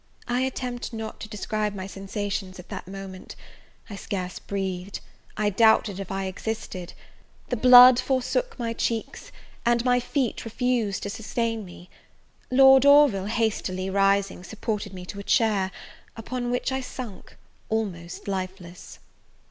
I attempt not to describe my sensations at that moment; I scarce breathed; I doubted if I existed, the blood forsook my cheeks, and my feet refused to sustain me: Lord Orville, hastily rising, supported me to a chair, upon which I sunk, almost lifeless.